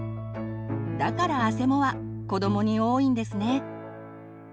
だからあせもは子どもに多いんですね。